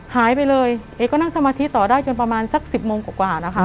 หายไปเลยเอก็นั่งสมาธิต่อได้จนประมาณสัก๑๐โมงกว่านะคะ